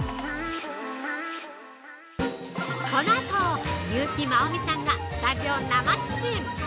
このあと、優木まおみさんがスタジオ生出演。